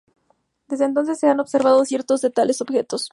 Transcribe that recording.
Desde entonces, se han observado cientos de tales objetos.